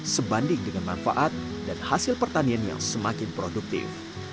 sebanding dengan manfaat dan hasil pertanian yang semakin produktif